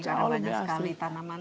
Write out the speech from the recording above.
karena banyak sekali tanaman